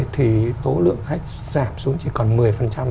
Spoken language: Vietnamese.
thì số lượng khách giảm xuống chỉ còn một mươi khách sạn